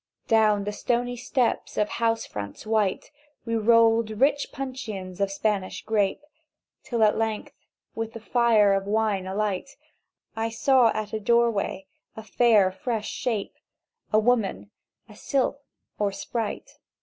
"Down the stony steps of the house fronts white We rolled rich puncheons of Spanish grape, Till at length, with the fire of the wine alight, I saw at a doorway a fair fresh shape— A woman, a sylph, or sprite.